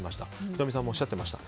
仁美さんもおっしゃってました。